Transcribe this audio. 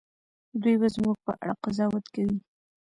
دوی به زموږ په اړه قضاوت کوي.